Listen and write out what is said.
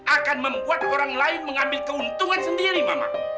akan membuat orang lain mengambil keuntungan sendiri bapak